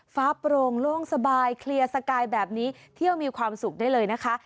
ฟ้าโปร่งโล่งสบายเคลียร์สกายแบบนี้เที่ยวมีความสุขได้เลยนะคะ